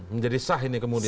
menjadi sah ini kemudian